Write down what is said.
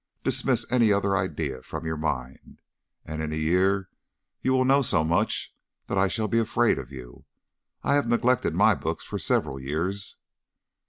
Dismiss any other idea from your mind. And in a year you will know so much that I shall be afraid of you. I have neglected my books for several years."